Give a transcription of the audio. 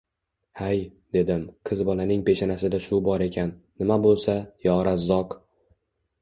Hay, dedim, qiz bolaning peshanasida shu bor ekan, nima boʼlsa, yo razzoq!